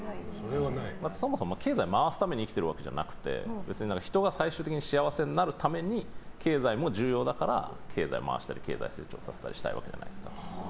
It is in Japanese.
そもそも経済回すために生きてるわけじゃなくて要するに人が最終的に幸せになるために経済も重要だから経済を回したり経済成長したいわけじゃないですか。